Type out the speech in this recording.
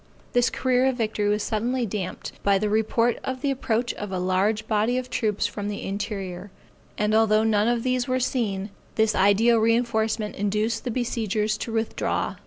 This career of victory was suddenly damped by the report of the approach of a large body of troops from the interior, and although none of these were seen, this ideal reinforcement induced the besiegers to withdraw.